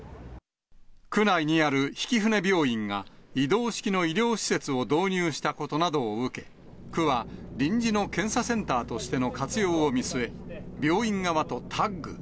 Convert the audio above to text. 区内にある曳舟病院が、移動式の医療施設を導入したことなどを受け、区は、臨時の検査センターとしての活用を見据え、病院側とタッグ。